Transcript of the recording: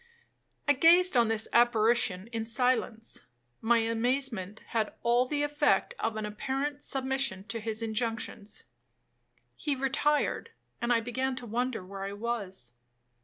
I gazed on this apparition in silence,—my amazement had all the effect of an apparent submission to his injunctions. He retired, and I began to wonder where I was.